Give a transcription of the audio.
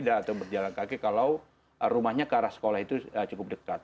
atau berjalan kaki kalau rumahnya ke arah sekolah itu cukup dekat